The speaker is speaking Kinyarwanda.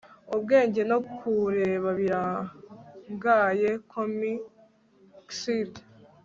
Ubwenge no kureba birangaye commixd